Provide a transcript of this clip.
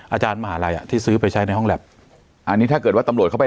อาจารย์มหาลัยอ่ะที่ซื้อไปใช้ในห้องแล็บอันนี้ถ้าเกิดว่าตำรวจเข้าไป